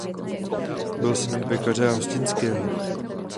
Byl synem pekaře a hostinského.